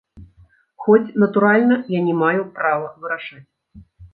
Хоць, натуральна, я не маю права вырашаць.